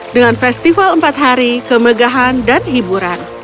dengan festival empat hari kemegahan dan hiburan